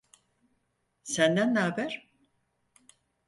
Senden n'aber?